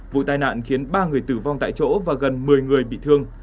vụ tai nạn khiến ba người tử vong tại chỗ và gần một mươi người bị thương